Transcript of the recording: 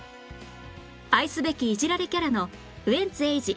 愛すべきいじられキャラのウエンツ瑛士